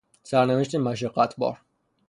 سرنوشت مشقتبار